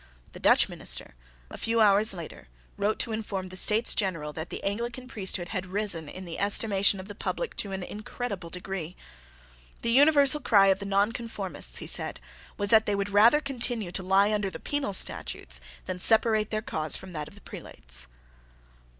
The Dutch minister, a few hours later, wrote to inform the States General that the Anglican priesthood had risen in the estimation of the public to an incredible degree. The universal cry of the Nonconformists, he said, was that they would rather continue to lie under the penal statutes than separate their cause from that of the prelates.